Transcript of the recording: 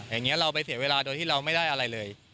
อย่างนี้เราไปเสียเวลาโดยที่เราไม่ได้อะไรเลย